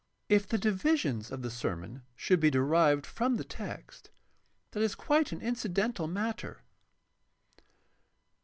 If the divisions of the sermon should be derived from the text, that is quite an incidental matter.